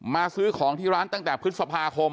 ซื้อของที่ร้านตั้งแต่พฤษภาคม